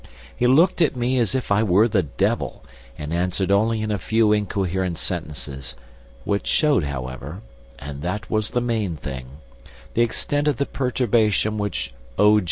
He looked at me as if I were the devil and answered only in a few incoherent sentences, which showed, however and that was the main thing the extent of the perturbation which O.